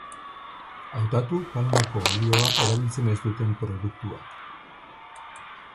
Hautatu palmako olioa erabiltzen ez duten produktuak.